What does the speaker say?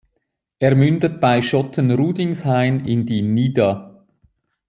Er mündet bei Schotten-Rudingshain in die "Nidda".